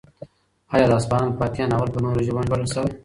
ایا د اصفهان فاتح ناول په نورو ژبو هم ژباړل شوی؟